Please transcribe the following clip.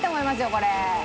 これ。